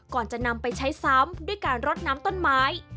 ก่อนจะนำไปใช้ซ้ำด้วยการรดน้ำต้นไม้